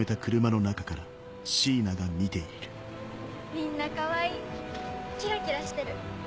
みんなかわいいキラキラしてる。